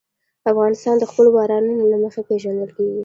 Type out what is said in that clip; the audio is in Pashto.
افغانستان د خپلو بارانونو له مخې پېژندل کېږي.